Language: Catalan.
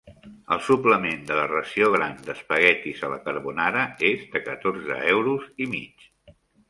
El suplement de la ració gran d'espaguetis a la carbonara és de catorze euros i mig.